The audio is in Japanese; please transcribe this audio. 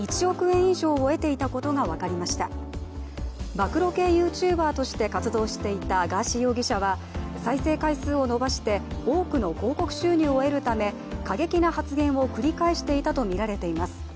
暴露系ＹｏｕＴｕｂｅｒとして活動していたガーシー容疑者は、再生回数を伸ばして多くの広告収入を得るため過激な発言を繰り返していたとみられています。